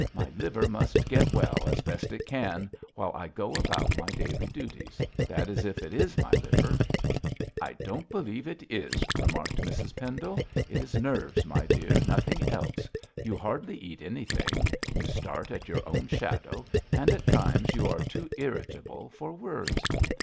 My liver must get well as best it can while I go about my daily duties that is if it is my liver.' 'I don't believe it is,' remarked Mrs Pendle; 'it is nerves, my dear, nothing else. You hardly eat anything, you start at your own shadow, and at times you are too irritable for words.